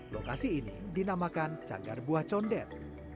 lokasi ini dinamakan cagar buah condet